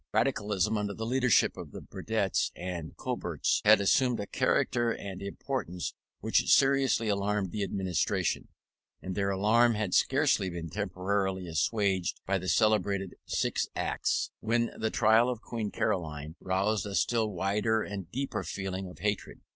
Radicalism, under the leadership of the Burdetts and Cobbetts, had assumed a character and importance which seriously alarmed the Administration: and their alarm had scarcely been temporarily assuaged by the celebrated Six Acts, when the trial of Queen Caroline roused a still wider and deeper feeling of hatred.